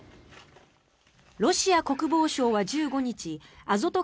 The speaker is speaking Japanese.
ロシア国防省は１５日アゾト